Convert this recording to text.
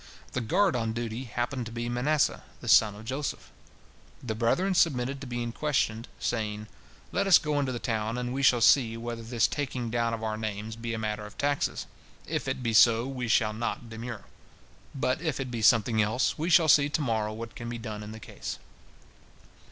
The guard on duty happened to be Manasseh, the son of Joseph. The brethren submitted to being questioned, saying "Let us go into the town, and we shall see whether this taking down of our names be a matter of taxes. If it be so, we shall not demur; but if it be something else, we shall see to morrow what can be done in the case."